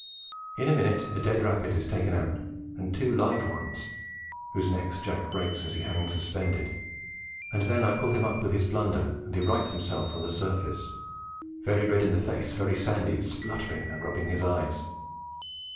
In a minute a dead rabbit is taken out and two live ones, whose necks Jack breaks as he hangs suspended, and then I pull him up with his plunder, and he rights himself on the surface, very red in the face, very sandy, spluttering and rubbing his eyes.